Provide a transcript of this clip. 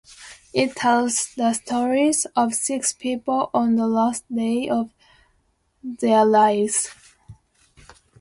It tells the stories of six people on the last day of their lives.